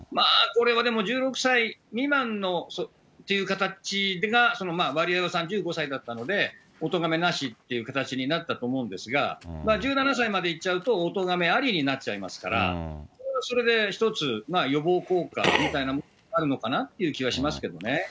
これはでも１６歳未満っていう形が、ワリエワさん、１５歳だったので、おとがめなしという形になったと思うんですが、１７歳までいっちゃうと、おとがめありになっちゃいますから、それで一つ、予防効果みたいなものがあるのかなっていう気はしますけどね。